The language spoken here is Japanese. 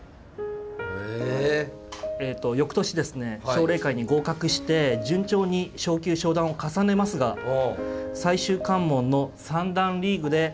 翌年ですね奨励会に合格して順調に昇級昇段を重ねますが最終関門の三段リーグで苦戦を強いられると。